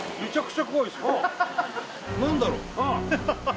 何だろう